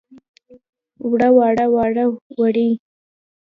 ووړ، واړه، وړه، وړې.